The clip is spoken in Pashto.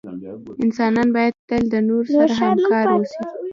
انسانان باید تل دنورو سره همکار اوسې